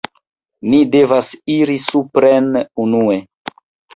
Ni devas iri supren unue